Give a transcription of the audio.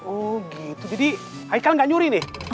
oh gitu jadi ichael gak nyuri nih